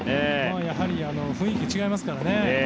やはり雰囲気が違いますからね。